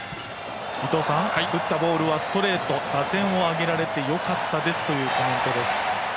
打ったボールはストレート、打点を挙げられてよかったですというコメントです。